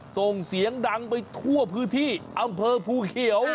ส่งเสียงดังไปทั่วพื้นที่อำเภอภูเขียว